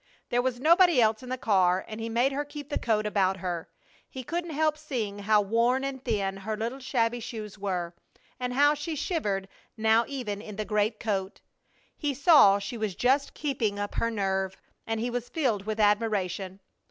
There was nobody else in the car and he made her keep the coat about her. He couldn't help seeing how worn and thin her little shabby shoes were, and how she shivered now even in the great coat. He saw she was just keeping up her nerve, and he was filled with admiration.